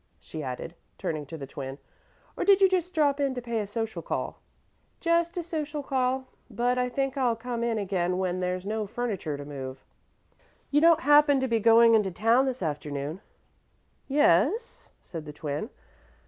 she added, turning to the Twin, "or did you just drop in to pay a social call?" "Just a social call; but I think I'll come in again when there's no furniture to move." "You don't happen to be going into town this afternoon?" "Yes," said the Twin.